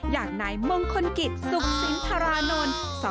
อย่างนายมงคลกิจสุขสินธารานนท์